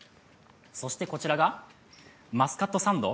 そしてこちらが、マスカットサンド。